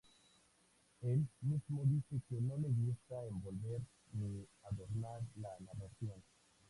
Él mismo dice que no le gusta envolver ni adornar la narración.